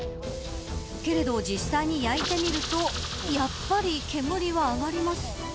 けれど、実際に焼いてみるとやっぱり煙は上がります。